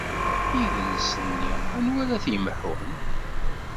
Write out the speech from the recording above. I yidles-nni anwa ara t-yemḥun?